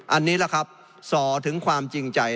อันนี้แหละครับส่อถึงความจริงใจ